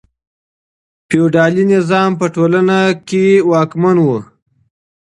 فیوډالي نظام په ټولنه واکمن و.